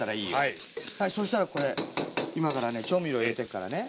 はいそしたらこれ今からね調味料入れてくからね。